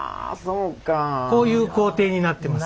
こういう工程になってます。